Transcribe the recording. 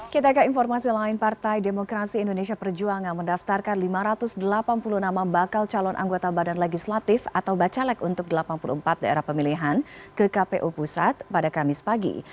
kita ke informasi lain partai demokrasi indonesia perjuangan mendaftarkan lima ratus delapan puluh nama bakal calon anggota badan legislatif atau bacalek untuk delapan puluh empat daerah pemilihan ke kpu pusat pada kamis pagi